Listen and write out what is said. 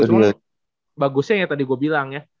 cuma bagusnya ya tadi gue bilang ya